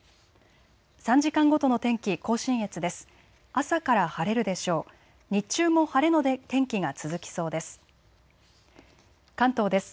３時間ごとの天気、甲信越です。